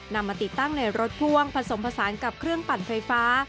มาติดตั้งในรถพ่วงผสมผสานกับเครื่องปั่นไฟฟ้า